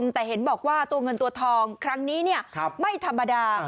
แต่เห็นบอกว่าตัวเงินตัวทองครั้งนี้ไม่ธรรมดา